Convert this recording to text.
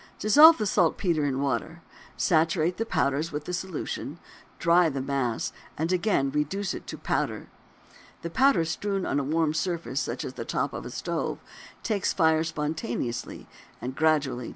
Dissolve the saltpetre in water, saturate the powders with the solution, dry the mass, and again reduce it to powder. This powder, strewn on a warm surface such as the top of a stove, takes fire spontaneously and gradually disappears.